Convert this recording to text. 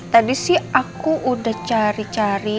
tadi sih aku udah cari cari